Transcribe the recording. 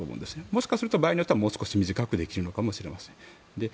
もしかすると場合によってはもう少し短くできるのかもしれません。